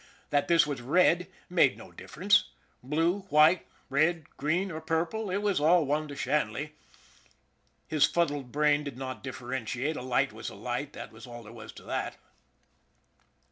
That this was red made no difference. Blue, white, red, green, or purple, it was all one to Shanley. His fuddled brain did not differentiate. A light was a light, that was all there was to that.